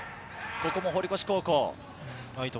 ここも堀越高校。